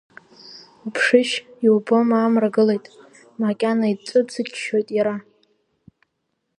Уԥшишь, иубома, амра гылеит, макьана ицәыҵыҷҷоит иара…